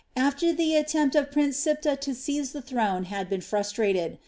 after the attempt of Prince Siptah to seize the throne had been frustrated.